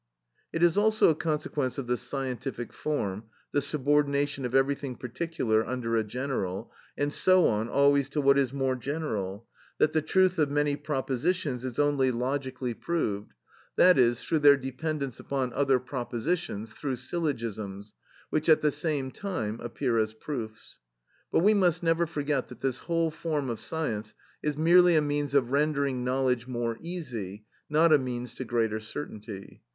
It is also a consequence of the scientific form, the subordination of everything particular under a general, and so on always to what is more general, that the truth of many propositions is only logically proved,—that is, through their dependence upon other propositions, through syllogisms, which at the same time appear as proofs. But we must never forget that this whole form of science is merely a means of rendering knowledge more easy, not a means to greater certainty.